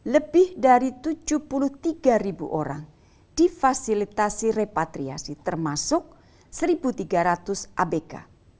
lebih dari tujuh puluh tiga ribu orang difasilitasi repatriasi termasuk satu tiga ratus abk